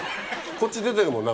こっち出てるもん。